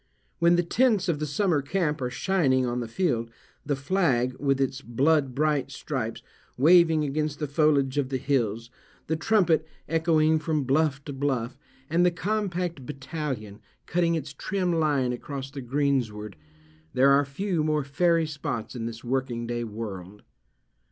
When the tents of the summer camp are shining on the field—the flag, with its blood bright stripes, waving against the foliage of the hills—the trumpet echoing from bluff to bluff, and the compact batallion cutting its trim line across the greensward—there are few more fairy spots in this working day world.